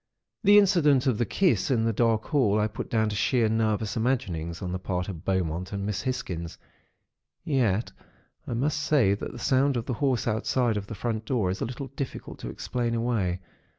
"The incident of the kiss in the dark hall, I put down to sheer nervous imaginings on the part of Beaumont and Miss Hisgins; yet, I must say that the sound of the horse outside of the front door, is a little difficult to explain away.